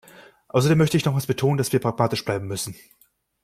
Außerdem möchte ich nochmals betonen, dass wir pragmatisch bleiben müssen.